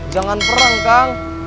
jangan perang kang